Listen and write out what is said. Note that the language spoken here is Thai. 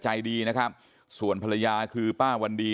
จังหวะนั้นได้ยินเสียงปืนรัวขึ้นหลายนัดเลย